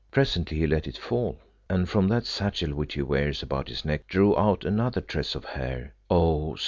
Presently he let it fall, and from that satchel which he wears about his neck drew out another tress of hair oh!